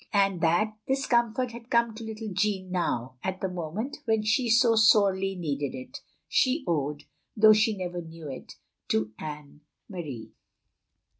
And that this comfort had come to little Jeanne now, at the moment when she so sorely needed it, she owed, though she never knew it, to Anne Marie.